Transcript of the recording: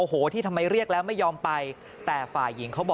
ขอบคุณครับ